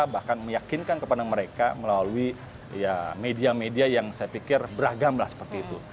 bahkan meyakinkan kepada mereka melalui media media yang saya pikir beragam lah seperti itu